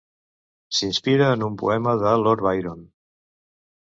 S'inspira en un poema de Lord Byron.